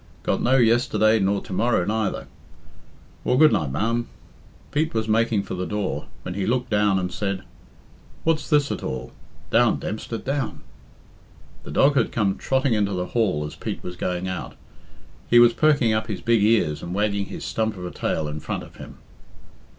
Got no yesterday nor to morrow neither. Well, good night, ma'am." Pete was making for the door, when he looked down and said, "What's this, at all? Down, Dempster, down!" The dog had came trotting into the hall as Pete was going out. He was perking up his big ears and wagging his stump of a tail in front of him.